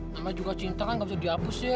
namanya juga cinta kan gak bisa dihapus ya